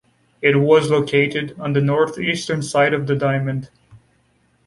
It was located on the north-eastern side of The Diamond.